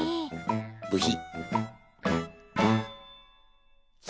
ブヒ。